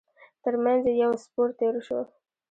تر مينځ يې يو سپور تېر شو.